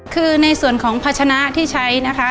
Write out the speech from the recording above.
คือในส่วนของพัชนะที่ใช้นะคะ